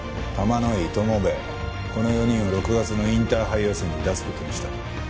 この４人を６月のインターハイ予選に出す事にした。